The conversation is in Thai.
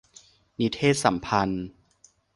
นิเทศสัมพันธ์